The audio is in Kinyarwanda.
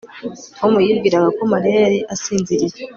Tom yibwiraga ko Mariya yari asinziriye